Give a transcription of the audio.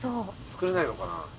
作れないのかな？